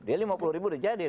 dia lima puluh ribu udah jadi